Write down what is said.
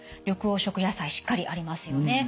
緑黄色野菜しっかりありますよね。